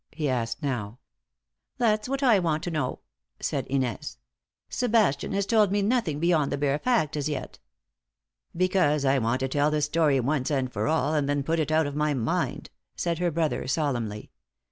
he asked now. "That's what I want to know," said Inez. "Sebastian has told me nothing beyond the bare fact as yet." "Because I want to tell the story once and for all, and then put it out of my mind," said her brother, solemnly.